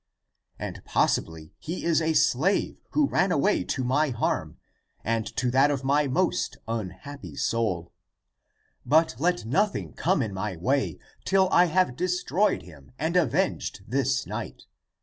And, possibly, he is a slave, who ran away to my harm and to that of my most unhappy soul. But let nothing come in my way till I have destroyed him and avenged this night.